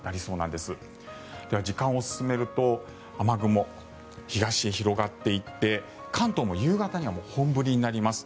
では、時間を進めると雨雲は東へ広がっていって関東も夕方には本降りになります。